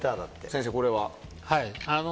先生これは？